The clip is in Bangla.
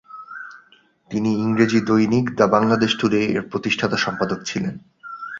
তিনি ইংরেজি দৈনিক দ্যা বাংলাদেশ টুডে-এর প্রতিষ্ঠাতা সম্পাদক ছিলেন।